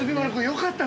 ◆よかった。